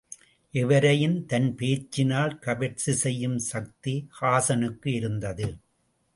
எவரையும், தன் பேச்சினால் கவர்ச்சி செய்யும் சக்தி ஹாஸனுக்கு இருந்தது.